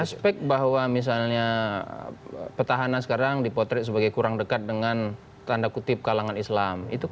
aspek bahwa misalnya petahana sekarang dipotret sebagai kurang dekat dengan tanda kutip kalangan islam